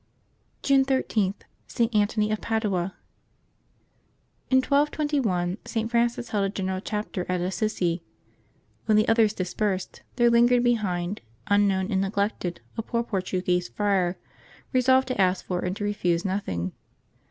June 13.— ST. ANTONY OF PADUA. XN 1221 St. Francis held a general chapter at Assisi; when the others dispersed, there lingered behind, un known and neglected, a poor Portuguese friar, resolved to ask for and to refuse nothing.